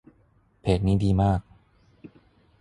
เพจนี้ดีมาก